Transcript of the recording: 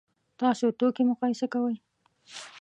تاسو توکي مقایسه کوئ؟